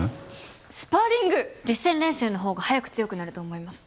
実戦練習のほうが早く強くなると思います。